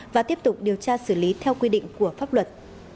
và tiếp tục điều tra xử lý theo quy định của pháp luật